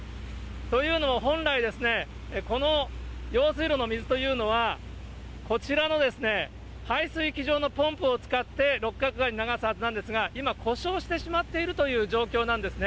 というのも本来ですね、この用水路の水というのは、こちらの排水機場のポンプを使って六角川に流すはずなんですが、今、故障してしまっているという状況なんですね。